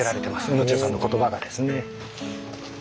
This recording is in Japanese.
宇野千代さんの言葉がですね。